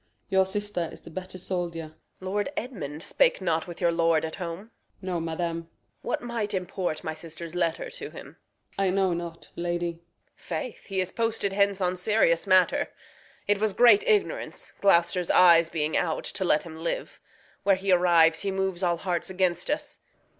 Your sister is the better soldier. Reg. Lord Edmund spake not with your lord at home? Osw. No, madam. Reg. What might import my sister's letter to him? Osw. I know not, lady. Reg. Faith, he is posted hence on serious matter. It was great ignorance, Gloucester's eyes being out, To let him live. Where he arrives he moves All hearts against us.